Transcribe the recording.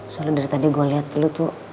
soalnya dari tadi gue liat lo tuh